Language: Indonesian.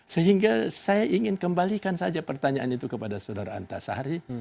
sehingga saya ingin kembalikan saja pertanyaan itu kepada saudara antasari